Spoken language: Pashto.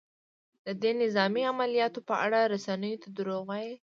د دې نظامي عملیاتو په اړه رسنیو ته دروغ وايي؟